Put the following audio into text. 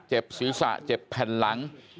เจ็บศีรษะเจ็บแผ่นหลัง